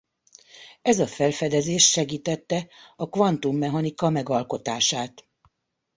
Ez a felfedezés segítette a kvantummechanika megalkotását.